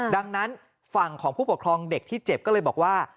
ดังนั้นฝั่งของผู้ปกครองเด็กที่เจ็บก็เลยบอกว่า